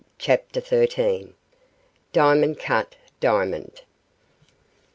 CHAPTER XIII DIAMOND CUT DIAMOND M.